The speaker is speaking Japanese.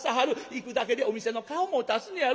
行くだけでお店の顔も立つねやろ。